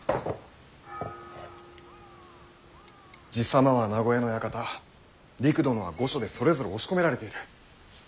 爺様は名越の館りく殿は御所でそれぞれ押し込められている。